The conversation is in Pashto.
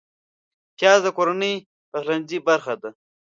پیاز د کورنۍ پخلنځي برخه ده